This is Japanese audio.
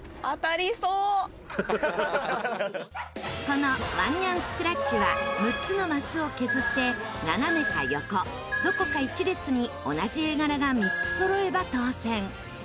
このわんにゃんスクラッチは６つのマスを削って斜めか横どこか１列に同じ絵柄が３つそろえば当せん。